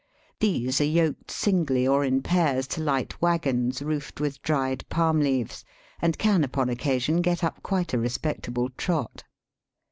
These are yoked singly or in pairs to light waggons roofed with dried palm leaves, and can upon occasion get up quite a respectable trot.